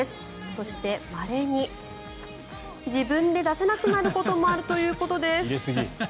そして、まれに自分で出せなくなることもあるということです。